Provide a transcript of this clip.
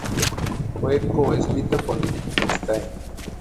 Fue co-escrita por Dave Mustaine.